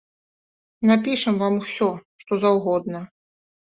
Напішам вам усё, што заўгодна.